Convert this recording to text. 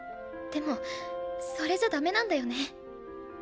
でもそれじゃダメなんだよね。